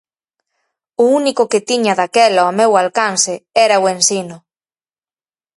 O único que tiña daquela ao meu alcance era o ensino.